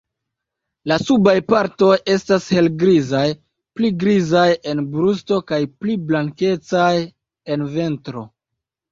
La subaj partoj estas helgrizaj, pli grizaj en brusto kaj pli blankecaj en ventro.